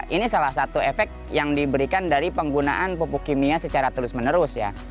ini salah satu efek yang diberikan dari penggunaan pupuk kimia secara terus menerus ya